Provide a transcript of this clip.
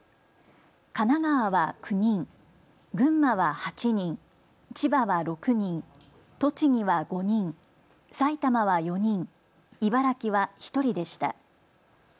神奈川は９人、群馬は８人、千葉は６人、栃木は５人、埼玉は４人、茨城は１人でした。